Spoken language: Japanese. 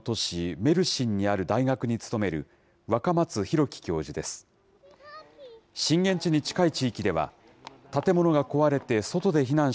メルシンにある大学に勤める若松大樹教授です。